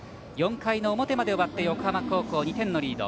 ４回の表まで終わって横浜高校、２点のリード。